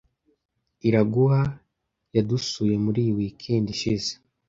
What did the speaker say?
Iraguha yadusuye muri iyi weekend ishize.